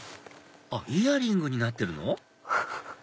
あっイヤリングになってるの？